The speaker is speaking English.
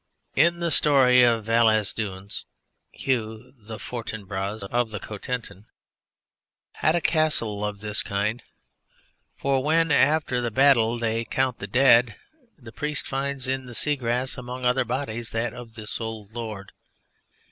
In the Story of Val es Dunes, Hugh the Fortinbras out of the Cotentin had a castle of this kind. For when, after the battle, they count the dead, the Priest finds in the sea grass among other bodies that of this old Lord....